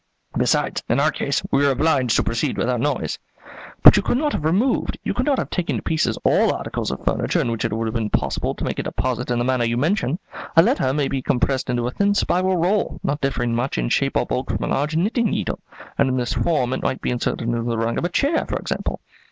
Besides, in our case, we were obliged to proceed without noise." "But you could not have removed, you could not have taken to pieces all articles of furniture in which it would have been possible to make a deposit in the manner you mention. A letter may be compressed into a thin spiral roll, not differing much in shape or bulk from a large knitting needle, and in this form it might be inserted into the rung of a chair, for example.